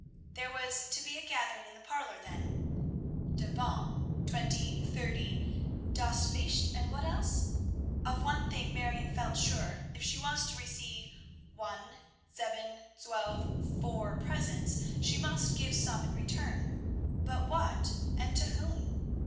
There was to be a gathering in the parlor then, der Baum. Twenty, thirty das Licht, and what else? Of one thing Marion felt sure, if she was to receive, one, sieben, zwölf, four presents, she must give some in return, but what, and to whom?